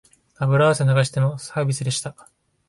油汗流してのサービスでした